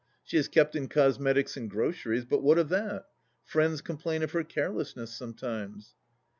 She is kept in cosmetics and groceries, but what of that ? Friends complain of her carelessness sometimes.